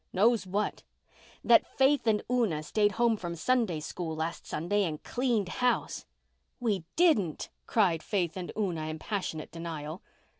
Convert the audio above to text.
"Knows what?" "That Faith and Una stayed home from Sunday School last Sunday and cleaned house." "We didn't," cried Faith and Una, in passionate denial.